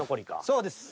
そうです。